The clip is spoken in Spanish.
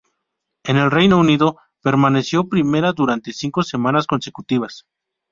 En el Reino Unido permaneció primera durante cinco semanas consecutivas.